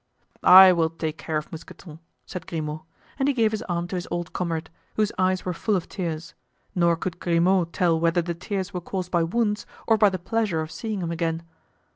"I will take care of Mousqueton," said Grimaud; and he gave his arm to his old comrade, whose eyes were full of tears, nor could Grimaud tell whether the tears were caused by wounds or by the pleasure of seeing him again.